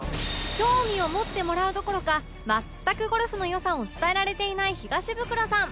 興味を持ってもらうどころか全くゴルフの良さを伝えられていない東ブクロさん